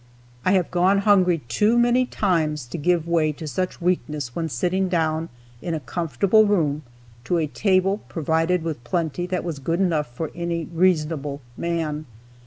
I have gone hungry too many times to give way to such weakness when sitting down in a comfortable room to a table provided with plenty that was good enough for any reasonable man.